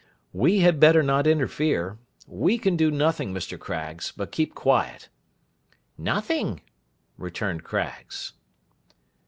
We had better not interfere: we can do nothing, Mr. Craggs, but keep quiet.' 'Nothing,' returned Craggs.